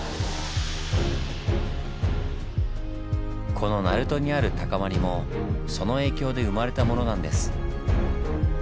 この鳴門にある高まりもその影響で生まれたものなんです。